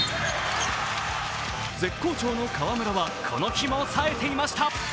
絶好調の河村はこの日も冴えていました。